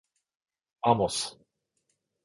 ばもす。